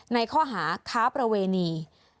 ในข้อหาค้าประเวณี